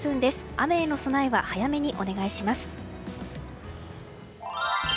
雨への備えは早めにお願いします。